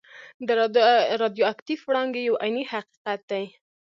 د راډیو اکټیف وړانګې یو عیني حقیقت دی.